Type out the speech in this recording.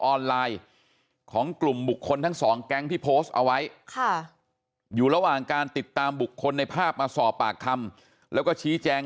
ออนไลน์ของกลุ่มบุคคลทั้งสองแก๊งที่โพสต์เอาไว้ค่ะอยู่ระหว่างการติดตามบุคคลในภาพมาสอบปากคำแล้วก็ชี้แจง